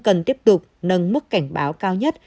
cần tiếp tục nâng mức cảnh báo cao nhất